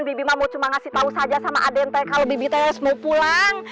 bibi mah mau cuma ngasih tau saja sama aden teh kalau bibi teh harus mau pulang